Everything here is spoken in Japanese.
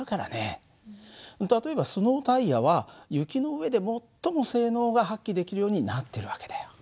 例えばスノータイヤは雪の上で最も性能が発揮できるようになってる訳だよ。